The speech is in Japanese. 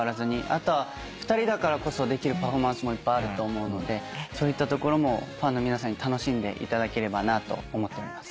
あとは２人だからこそできるパフォーマンスもいっぱいあると思うのでそういったところもファンの皆さんに楽しんでいただければなと思っております。